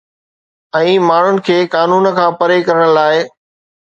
۽ ماڻهن کي قانون کان پري ڪرڻ لاء